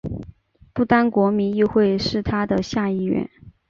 不丹国民议会是它的下议院。